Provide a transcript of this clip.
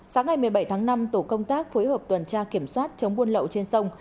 sáng ngày một mươi bảy tháng năm tổ công tác phối hợp tuần tra kiểm soát chống buôn lậu trên sông